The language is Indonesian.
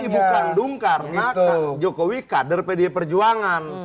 jadi ibu kandung karena jokowi kader pdi perjuangan